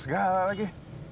pakai mailbox segala lagi